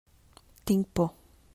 Tinc por.